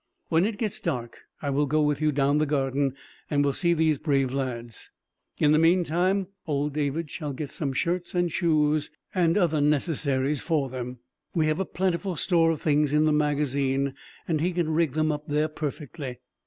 "When it gets dark I will go with you down the garden, and will see these brave lads. In the meantime, old David shall get some shirts, and shoes, and other necessaries for them. We have a plentiful store of things in the magazine, and he can rig them up there, perfectly.